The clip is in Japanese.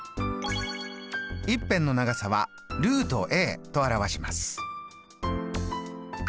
１辺の長さはと表します。